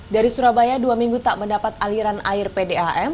dari surabaya dua minggu tak mendapat aliran air pdam